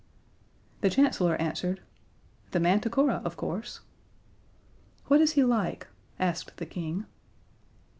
The Chancellor answered: "The Manticora, of course." "What is he like?" asked the King.